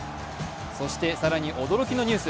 そして更に驚きのニュース。